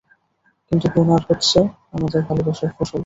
কিন্তু গুনার হচ্ছে আমাদের ভালোবাসার ফসল।